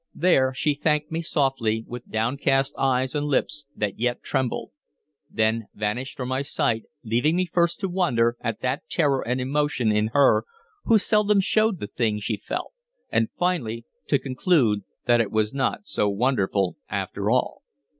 There she thanked me softly, with downcast eyes and lips that yet trembled; then vanished from my sight, leaving me first to wonder at that terror and emotion in her who seldom showed the thing she felt, and finally to conclude that it was not so wonderful after all.